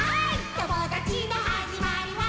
ともだちのはじまりは」